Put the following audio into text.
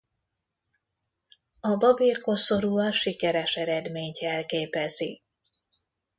A babérkoszorú a sikeres eredményt jelképezi.